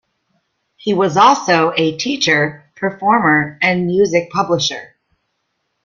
He was also a teacher, performer, and music publisher.